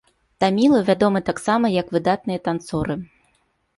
Тамілы вядомы таксама як выдатныя танцоры.